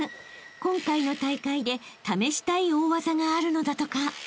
今回の大会で試したい大技があるのだとか］